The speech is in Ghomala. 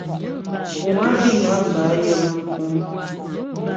Guŋ á Bǐnam bə́ á yɔm mkúŋ.